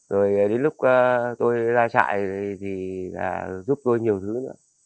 rồi đến lúc tôi ra chạy thì giúp tôi nhiều thứ nữa